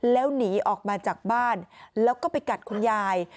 แล้วหนีออกมาจากบ้านแล้วก็ไปกัดคุณยาย